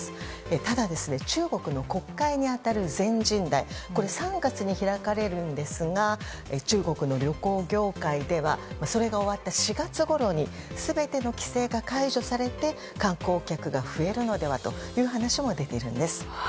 ただ中国の国会に当たる全人代が３月に開かれるんですが中国の旅行業界ではそれが終わった４月ごろに全ての規制が解除されて観光客が増えるのではという話も出ているんです。